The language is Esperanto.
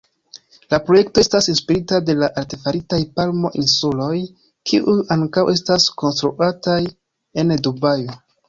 La projekto estas inspirita de la artefaritaj Palmo-insuloj, kiuj ankaŭ estas konstruataj en Dubajo.